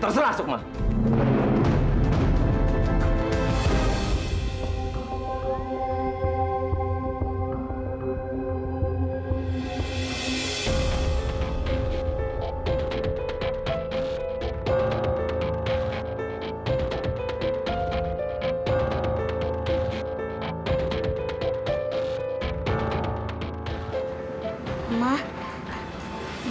sana masuk kamar